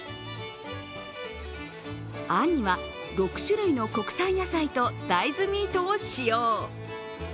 あんには６種類の国産野菜と大豆ミートを使用。